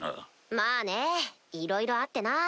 まあねいろいろあってな。